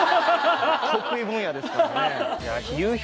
得意分野ですからね。